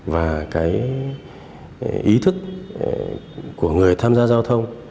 và ý thức của người tham gia giao thông